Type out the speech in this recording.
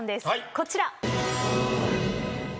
こちら。